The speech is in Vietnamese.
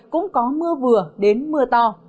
cũng có mưa vừa đến mưa to